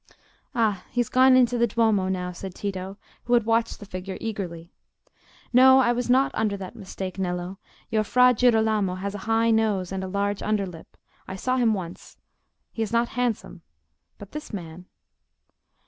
"Ah, he's gone into the Duomo now," said Tito, who had watched the figure eagerly. "No, I was not under that mistake, Nello. Your Fra Girolamo has a high nose and a large under lip. I saw him once—he is not handsome; but this man..."